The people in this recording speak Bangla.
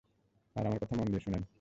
আর আমার কথা মন দিয়ে শুনেন।